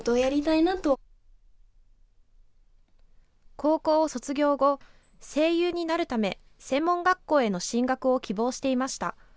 高校を卒業後声優になるため専門学校への進学を希望していました。